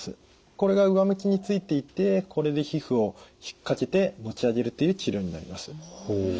これが上向きについていてこれで皮膚を引っ掛けて持ち上げるという治療になります。